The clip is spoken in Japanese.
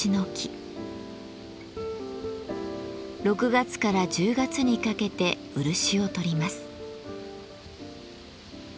６月から１０月にかけて漆を採ります。